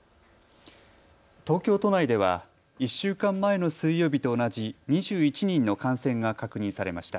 東京都内では１週間前の水曜日と同じ２１人の感染が確認されました。